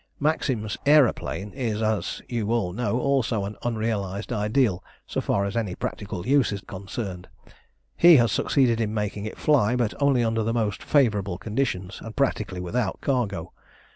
"Maxim's Aëroplane is, as you all know, also an unrealised ideal so far as any practical use is concerned. He has succeeded in making it fly, but only under the most favourable conditions, and practically without cargo.